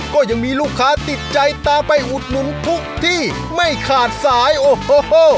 ก็ยังมีลูกค้าติดใจตามไปอุดหนุนทุกที่ไม่ขาดสายโอ้โห